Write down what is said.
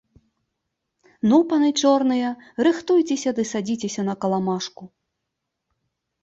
Ну, паны чорныя, рыхтуйцеся ды садзіцеся на каламажку.